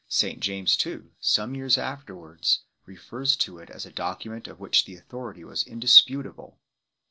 St J ames, too, some years afterwards, refers to it as a document of which the authority was indisputable 4